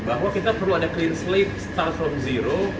bahwa kita perlu ada clean slate start from zero